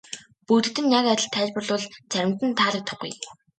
Бүгдэд нь яг адил тайлбарлавал заримд нь таалагдахгүй.